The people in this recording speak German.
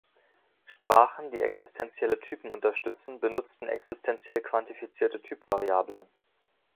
Sprachen, die existenzielle Typen unterstützen, benutzten existentiell quantifizierte Typvariablen.